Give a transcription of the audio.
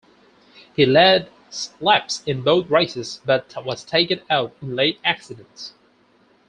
He led laps in both races but was taken out in late accidents.